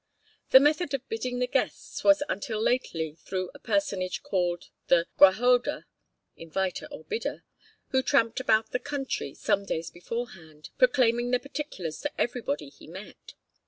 The method of bidding the guests was until lately through a personage called the gwahoddwr (inviter or bidder) who tramped about the country some days beforehand, proclaiming the particulars to everybody he met.